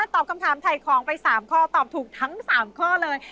ตอบคำถามถ่ายของไป๓ข้อตอบถูกทั้ง๓ข้อเลย